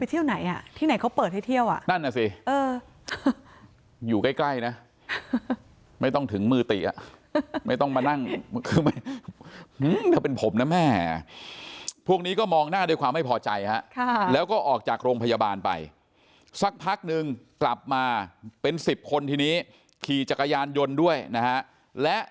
เออไปเที่ยวไหนอ่ะที่ไหนเขาเปิดให้เที่ยวอ่ะนั่นอ่ะสิเออ